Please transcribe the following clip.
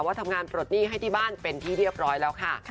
ว่าทำงานปลดหนี้ให้ที่บ้านเป็นที่เรียบร้อยแล้วค่ะ